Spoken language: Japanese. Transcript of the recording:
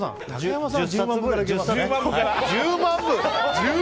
１０万部？